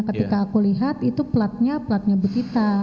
ketika aku lihat itu platnya platnya butita